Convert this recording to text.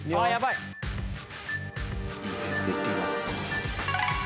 いいペースでいっています。